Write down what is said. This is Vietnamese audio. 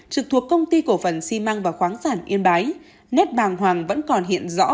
trực thuộc công ty cổ phần xi măng và khoáng sản yên bái nét bàng hoàng vẫn còn hiện rõ